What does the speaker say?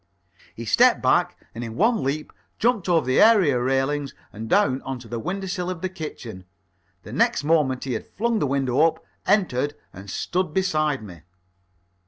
He stepped back, and in one leap jumped over the area railings and down on to the window sill of the kitchen. The next moment he had flung the window up, entered, and stood beside me.